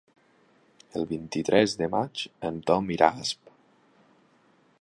El vint-i-tres de maig en Tom irà a Asp.